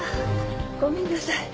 ごめんなさい。